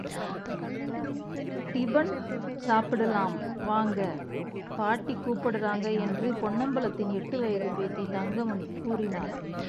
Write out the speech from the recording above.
Tiffin சாப்பிடலாம் வாங்க, பாட்டி கூப்பிடறாங்க, என்று பொன்னம்பலத்தின் எட்டு வயது பேத்தி தங்கமணி கூறினாள்.